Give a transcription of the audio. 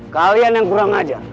kalian yang kurang ajar